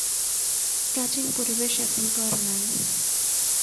প্রাচীন পরিবেশ এখন তো আর নাই।